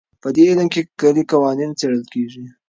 په دې علم کې کلي قوانین څېړل کېږي.